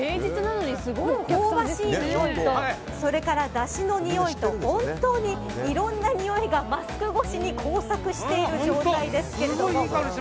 香ばしいにおいとそれから、だしのにおいと本当に、いろんなにおいがマスク越しに交錯している状態ですけども。